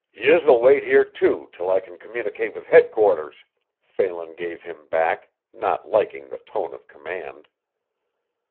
"Yez'll wait here, too, till I can communicate with headquarters," Phelan gave him back, not liking the tone of command.